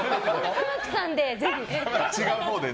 玉木さんで、ぜひ。